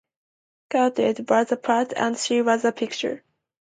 Charlotte... was a Pratt; and she was a picture.